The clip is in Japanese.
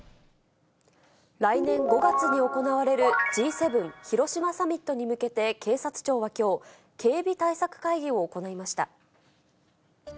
来年５月に行われるＧ７広島サミットに向けて警察庁はきょう、警備対策会議を行いました。